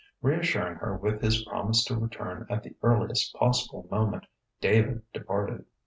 Reassuring her with his promise to return at the earliest possible moment, David departed....